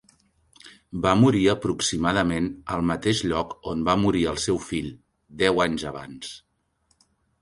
Va morir aproximadament al mateix lloc on va morir el seu fill, deu anys abans.